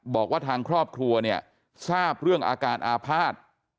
บอกว่าทางครอบครัวเนี่ยทราบเรื่องอาการอาภาษณ์